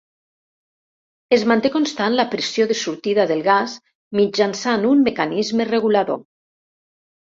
Es manté constant la pressió de sortida del gas mitjançant un mecanisme regulador.